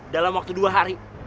dalam waktu dua hari